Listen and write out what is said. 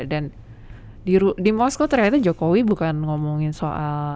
dan di moskow ternyata jokowi bukan ngomongin soal